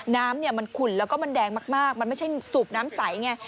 น้ำมันขุ่นแล้วก็มันแดงมากมันไม่ใช่สูบน้ำใสไง